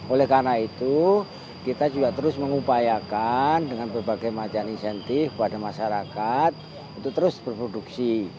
oleh karena itu kita juga terus mengupayakan dengan berbagai macam insentif kepada masyarakat untuk terus berproduksi